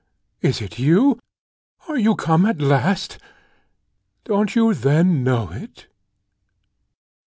Is it you? Are you come at last? Don't you then know it?"